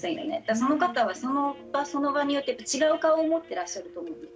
その方はその場その場によって違う顔を持ってらっしゃると思うんです。